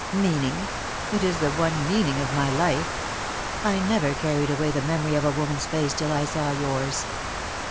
"Meaning! It is the one meaning of my life. I never carried away the memory of a woman's face till I saw yours.